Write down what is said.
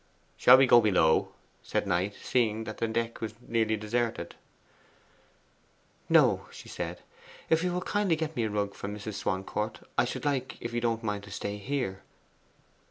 'Shall we go below?' said Knight, seeing that the deck was nearly deserted. 'No,' she said. 'If you will kindly get me a rug from Mrs. Swancourt, I should like, if you don't mind, to stay here.